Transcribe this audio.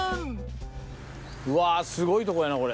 うわすごいとこやなこれ。